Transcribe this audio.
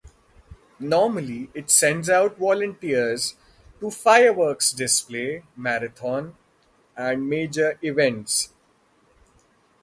Normally, it sends out volunteers to fireworks display, marathon, and major events.